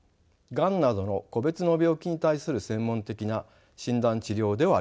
ガンなどの個別の病気に対する専門的な診断治療ではありません。